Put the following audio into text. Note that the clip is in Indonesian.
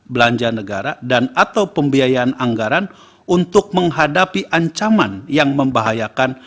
belanja negara dan atau pembiayaan anggaran untuk menghadapi ancaman yang membahayakan